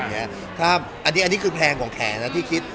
อันนี้คือแภงของแขกนะที่คิด